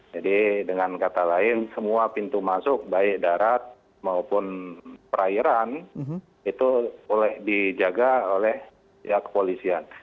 jadi dengan kata lain semua pintu masuk baik darat maupun perairan itu boleh dijaga oleh kepolisian